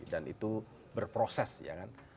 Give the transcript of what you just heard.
dan itu berproses ya kan